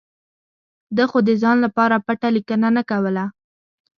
ده خو د ځان لپاره پټه لیکنه نه کوله.